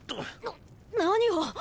な何を！